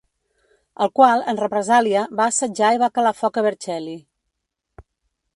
El qual, en represàlia, va assetjar i va calar foc a Vercelli.